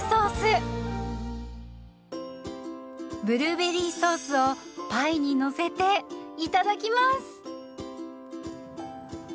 ブルーベリーソースをパイにのせていただきます。